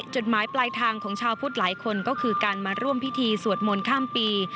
จดหมายปลายทางของชาวพุทธหลายคนก็คือการมาร่วมพิธีสวดมนต์ข้ามปี